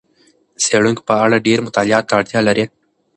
څېړونکي په اړه ډېرې مطالعاتو ته اړتیا لري.